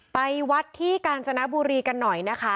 ไปวัดที่กาญจนบุรีกันหน่อยนะคะ